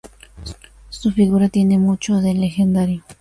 Su figura tiene mucho de legendario.